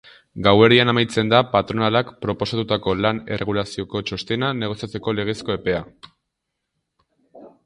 Gauerdian amaitzen da patronalak proposatutako lan-erregulazioko txostena negoziatzeko legezko epea.